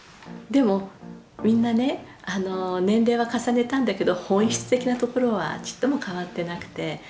でもみんな年齢は重ねたんだけど本質的なところはちっとも変わってなくて。